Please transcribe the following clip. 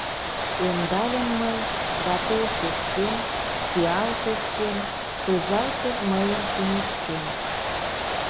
Ӧндальым мый, Да тул сескем, Пиал сескем Пыжалте мыйын шӱмышкем.